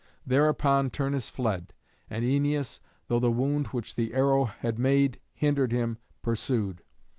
Thereupon Turnus fled, and Æneas, though the wound which the arrow had made hindered him, pursued.